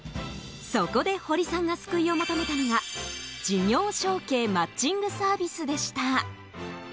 そこで堀さんが救いを求めたのが事業承継マッチングサービスでした。